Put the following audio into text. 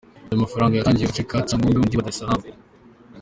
Aya mafranga yatangiwe mu gace ka Changombe mu mujyi wa Dari Salamu.